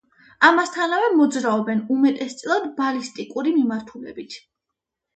ამასთანავე მოძრაობენ უმეტესწილად ბალისტიკური მიმართულებით.